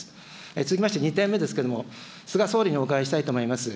続きまして２点目ですけれども、菅総理にお伺いしたいと思います。